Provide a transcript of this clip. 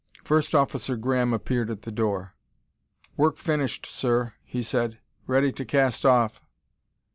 First Officer Graham appeared at the door. "Work finished, sir," he said. "Ready to cast off."